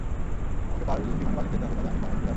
আমাকে বিমানে বার্লিন যেতে হবে, তবে আমি সময়মতো ফিরে আসব।